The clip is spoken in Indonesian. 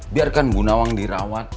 biarkan bu nawang dirawat